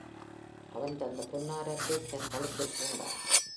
அவன் தந்த பொன்னாரத்தைத் தன் கழுத்தில் பூண்டான்.